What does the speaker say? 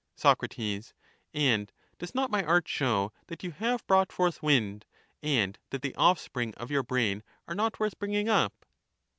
Sac, And does not my art show that you have brought forth wind, and that the offspring of your brain are not worth bringing up